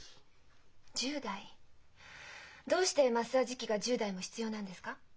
どうしてマッサージ機が１０台も必要なんですか？